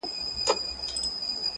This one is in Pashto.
o هغه وكړې سوگېرې پــه خـاموشـۍ كي.